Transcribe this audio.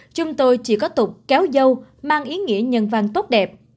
chúng tôi chỉ có tục kéo dâu mang ý nghĩa nhân văn tốt đẹp